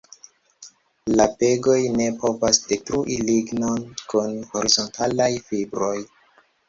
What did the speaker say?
La pegoj ne povas detrui lignon kun horizontalaj fibroj.